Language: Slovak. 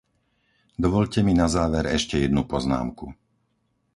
Dovoľte mi na záver ešte jednu poznámku.